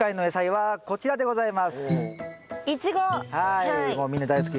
はい。